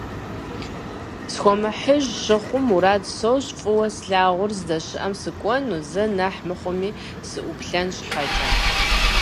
Схуэмыхьыж щыхъум, мурад сощӀ фӀыуэ слъагъур здэщыӀэм сыкӀуэну, зэ нэхъ мыхъуми сыӀуплъэн щхьэкӀэ.